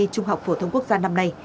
trung học phổ thông quốc gia năm nay